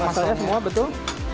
masal nya semua betul